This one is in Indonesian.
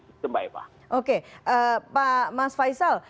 oke pak mas faisal